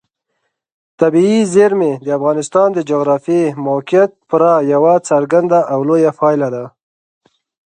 طبیعي زیرمې د افغانستان د جغرافیایي موقیعت پوره یوه څرګنده او لویه پایله ده.